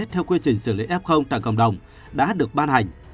theo quy trình xử lý f tại cộng đồng đã được ban hành